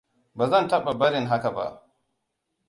Ba zan taba barin haka ba.